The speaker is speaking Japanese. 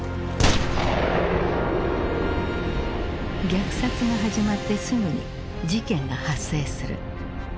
虐殺が始まってすぐに事件が発生する。